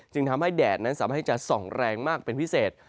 จึงทำให้แดดนั้นสามารถที่จะส่องแรงมากเป็นพิเศษ